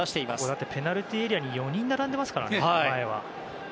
だってペナルティーエリアに４人並んでますからね、前は。